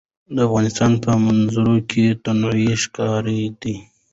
د افغانستان په منظره کې تنوع ښکاره ده.